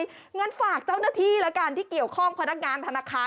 งั้นฝากเจ้าหน้าที่แล้วกันที่เกี่ยวข้องพนักงานธนาคาร